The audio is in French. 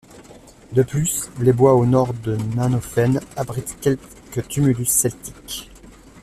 De plus, les bois au nord de Nannhofen abritent quelques tumulus celtiques.